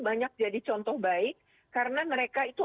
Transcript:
banyak jadi contoh baik karena mereka itu